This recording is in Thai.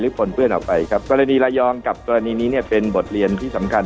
ปนเปื้อนออกไปครับกรณีระยองกับกรณีนี้เนี่ยเป็นบทเรียนที่สำคัญ